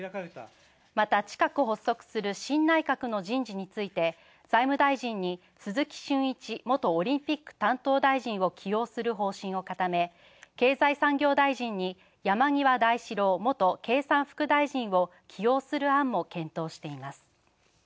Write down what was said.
また、近く発足する新内閣の人事について財務大臣に鈴木俊一元オリンピック担当大臣を起用する方針を固め経済産業大臣に山際大志郎元経産副大臣を起用する案も検討しています。